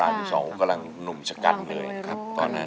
๓๒กำลังหนุ่มชะกัดเลยครับ